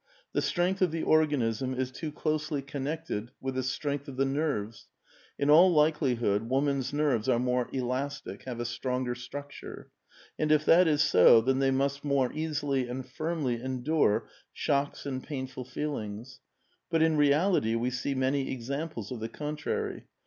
The strength of the organism is too closely con nected with the strensfth of the nerves. In all likelihood woman's nerves are more elastic, have a stronger structure ; and if that is so, then they must more easily and firmly endure shocks and painful feelings. But in reality we see many examples of the contrary.